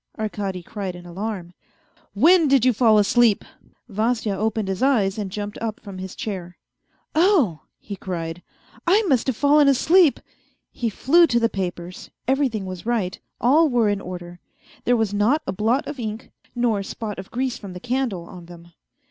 Arkady cried in alarm, " when did you fall asleep ?" N 178 A FAINT HEART Vasya opened his eyes and jumped up from his chair. " Oh !" he cried, " I must have fallen asleep. ..." He flew to the papers everything was right ; all were in order ; there was not a blot of ink, nor spot of grease from the candle on them.